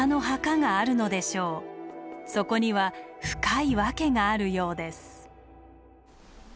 そこには深い訳があるようです。